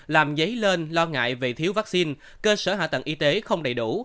làm dấy lên lo ngại về thiếu vaccine cơ sở hạ tầng y tế không đầy đủ